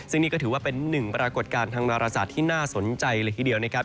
ซึ่งนี่ก็ถือว่าเป็นหนึ่งปรากฏการณ์ทางนาราศาสตร์ที่น่าสนใจเลยทีเดียวนะครับ